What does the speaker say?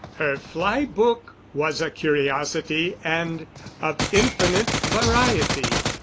Her fly book was a curiosity and of infinite variety.